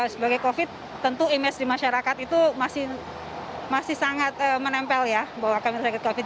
sebagai covid tentu image di masyarakat itu masih sangat menempel ya bahwa kami sakit covid